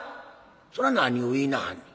「それは何を言いなはんねん。